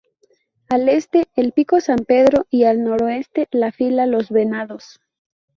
Al este el Pico San Pedro y al noroeste la Fila Los Venados.